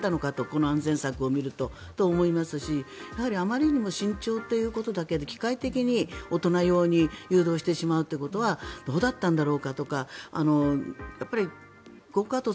この安全柵を見ると思いますしやはり、あまりにも身長ということだけで機械的に大人用に誘導してしまうっていうことはどうだったんだろうかとかゴーカート